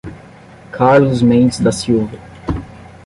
Carlos Mendes da Silva